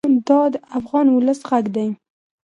دا د افغان ولس غږ دی.